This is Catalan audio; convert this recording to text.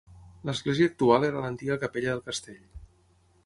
L'església actual era l'antiga capella del castell.